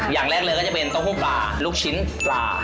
อย่างแรกเลยก็จะเป็นเต้าหู้ปลาลูกชิ้นปลา